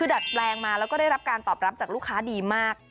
ดัดแปลงมาแล้วก็ได้รับการตอบรับจากลูกค้าดีมาก